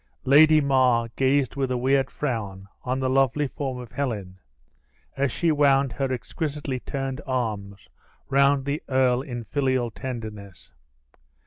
Lady Mar gazed with a weird frown on the lovely form of Helen, as she wound her exquisitely turned arms round the earl in filial tenderness.